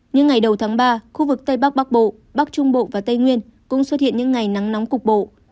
những ngày đầu tháng ba khu vực tây bắc bắc bộ bắc trung bộ và tây nguyên cũng xuất hiện những ngày nắng nóng cục bộ